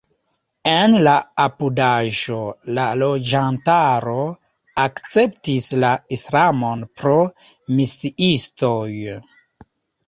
En la apudaĵo la loĝantaro akceptis la islamon pro misiistoj.